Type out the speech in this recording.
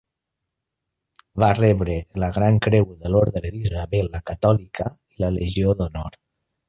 Va rebre la gran creu de l'Orde d'Isabel la Catòlica i la Legió d'Honor.